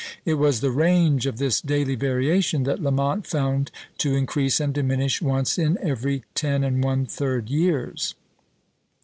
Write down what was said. It was the range of this daily variation that Lamont found to increase and diminish once in every 10 1/3 years.